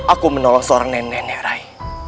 aku menolong seorang nenek